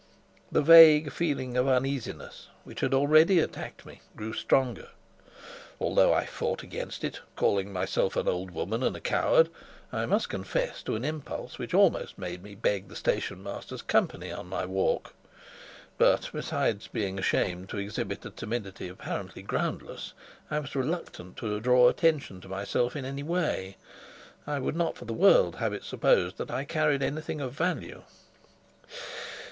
The vague feeling of uneasiness which had already attacked me grew stronger. Although I fought against it, calling myself an old woman and a coward, I must confess to an impulse which almost made me beg the station master's company on my walk; but, besides being ashamed to exhibit a timidity apparently groundless, I was reluctant to draw attention to myself in any way. I would not for the world have it supposed that I carried anything of value.